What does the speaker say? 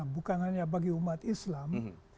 bukan hanya bagi umat islam